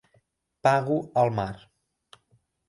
Pago al mar.